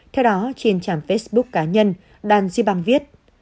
theo đó trên trang facebook cá nhân đàn di băng viết